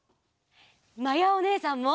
まやおねえさんも！